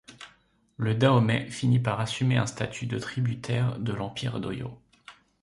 Le Dahomey finit par assumer un statut de tributaire de l'Empire d'Oyo.